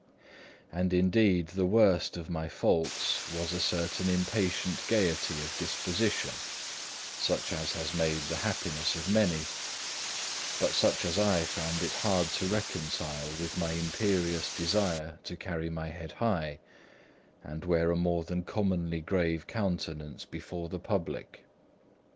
And indeed the worst of my faults was a certain impatient gaiety of disposition, such as has made the happiness of many, but such as I found it hard to reconcile with my imperious desire to carry my head high, and wear a more than commonly grave countenance before the public.